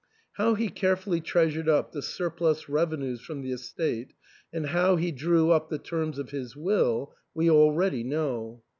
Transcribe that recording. How he carefully treasured up the surplus revenues from the estate, and how he drew up the terms of his will, we already know.